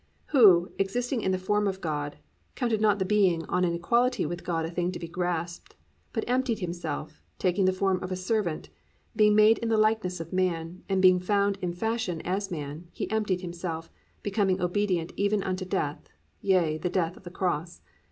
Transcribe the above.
"Who, existing in the form of God, counted not the being on an equality with God a thing to be grasped, but emptied himself, taking the form of a servant, being made in the likeness of man; and being found in fashion as man, he emptied himself, becoming obedient even unto death, yea the death of the cross."